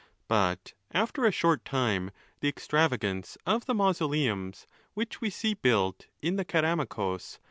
But after a short time, the extravagance of the mansoleums which we see built in the ceramicus.